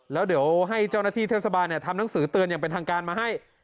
แล้วเดี๋ยวให้เจ้าหน้าที่เทศบาลทำหนังสือเตือนอย่างเป็นทางการมาให้